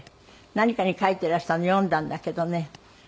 何かに書いていらしたの読んだんだけどね